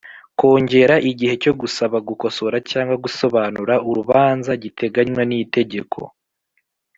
Kongera igihe cyo gusaba gukosora cyangwa gusobanura urubanza giteganywa n itegeko